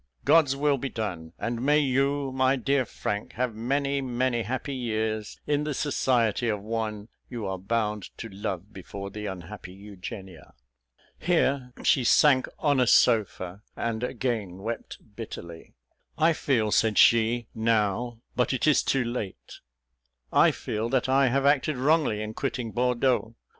God's will be done; and may you, my dear Frank, have many, many happy years in the society of one you are bound to love before the unhappy Eugenia." Here she sank on a sofa, and again wept bitterly. "I feel," said she, "now, but it is too late I feel that I have acted wrongly in quitting Bordeaux.